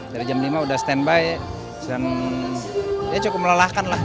dari jam lima sudah stand by dia cukup melelahkan lah